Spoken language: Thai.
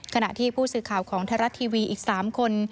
ขณะที่ผู้สื่อข่าวของไทยรัฐทีวีอีก๓คน